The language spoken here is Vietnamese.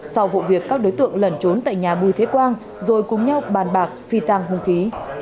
sau vụ việc các đối tượng lẩn trốn tại nhà bùi thế quang rồi cùng nhau bàn bạc phi tăng hung khí